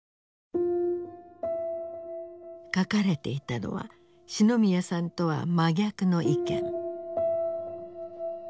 書かれていたのは四ノ宮さんとは真逆の意見。